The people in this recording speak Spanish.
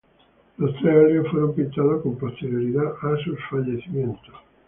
Los tres óleos fueron pintados con posterioridad a sus fallecimientos.